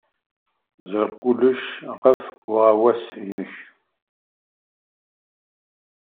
Ẓriɣ kullec ɣef uɣawas-nnek.